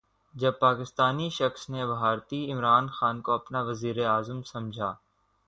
جب پاکستانی شخص نے بھارتی عمران خان کو اپنا وزیراعظم سمجھا